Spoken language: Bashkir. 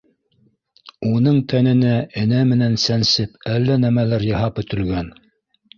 Уның тәненә энә менән сәнсеп әллә нәмәләр яһап бөтөлгән